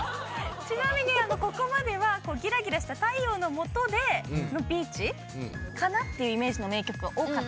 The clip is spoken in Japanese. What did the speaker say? ちなみにここまではギラギラした太陽の下でのビーチかなっていうイメージの名曲が多かったかな。